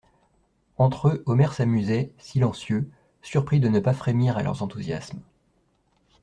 Entre eux, Omer s'amusait, silencieux, surpris de ne pas frémir à leurs enthousiasmes.